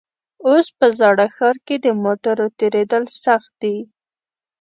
اوس په زاړه ښار کې د موټرو تېرېدل سخت دي.